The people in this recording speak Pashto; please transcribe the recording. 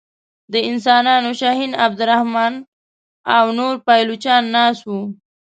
د انسانانو شهین عبدالرحمن او نور پایلوچان ناست وه.